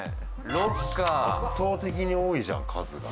「ロッカー」「圧倒的に多いじゃん数が」